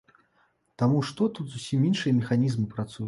Таму што тут зусім іншыя механізмы працуюць.